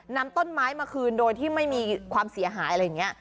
นำต้นไม้มาคืนโดยที่ไม่มีความเสียหาย